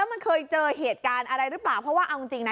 มันเคยเจอเหตุการณ์อะไรหรือเปล่าเพราะว่าเอาจริงนะ